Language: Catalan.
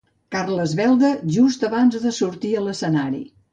Carles Belda just abans de sortir a l'escenari.